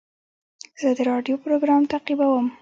زه د راډیو پروګرام تعقیبوم.